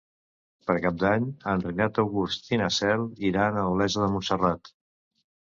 Per Cap d'Any en Renat August i na Cel iran a Olesa de Montserrat.